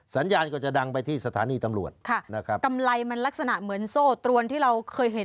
สัญญาณก็จะดังไปที่สถานีตำรวจค่ะนะครับกำไรมันลักษณะเหมือนโซ่ตรวนที่เราเคยเห็น